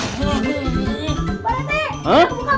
kebuka belum izinnya